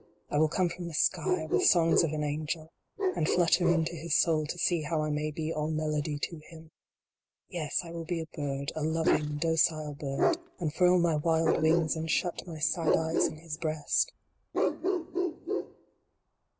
32 IN VAIN. I will come from the sky, with songs of an angel, and flutter into his soul to see how I may be all melody to him ! Yes, I will be a bird a loving, docile bird and furl my wild wings, and shut my sad eyes in his breast